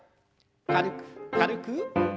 軽く軽く。